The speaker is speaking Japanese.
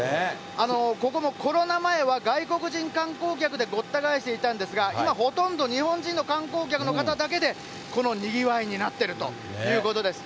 ここもコロナ前は、外国人観光客でごった返していたんですが、今、ほとんど日本人の観光客の方だけで、このにぎわいになっているということです。